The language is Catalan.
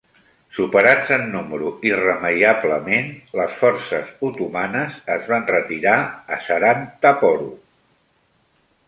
Superats en número irremeiablement, les forces otomanes es van retirar a Sarantaporo.